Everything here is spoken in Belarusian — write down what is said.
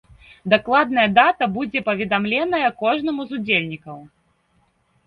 Дакладная дата будзе паведамленая кожнаму з удзельнікаў.